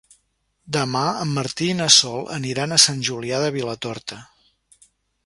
Demà en Martí i na Sol aniran a Sant Julià de Vilatorta.